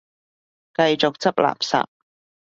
繼續執垃圾